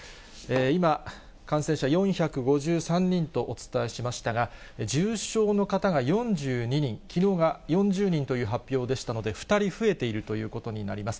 今、感染者４５３人とお伝えしましたが、重症の方が４２人、きのうが４０人という発表でしたので、２人増えているということになります。